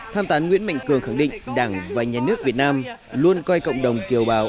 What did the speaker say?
tham tán nguyễn mạnh cường khẳng định đảng và nhà nước việt nam luôn coi cộng đồng kiều bào